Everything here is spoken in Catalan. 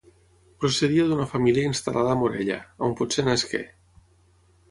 Procedia d'una família instal·lada a Morella, on potser nasqué.